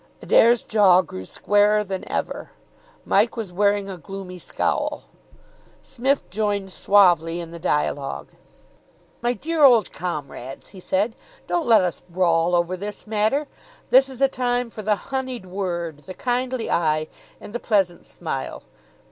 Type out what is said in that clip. Adair's jaw grew squarer than ever. Mike was wearing a gloomy scowl. Psmith joined suavely in the dialogue. "My dear old comrades," he said, "don't let us brawl over this matter. This is a time for the honeyed word, the kindly eye, and the pleasant smile.